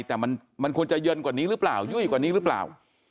แต่มันควรจะเย็นกว่านี้หรือเปล่ายุ่ยกว่านี้หรือเปล่า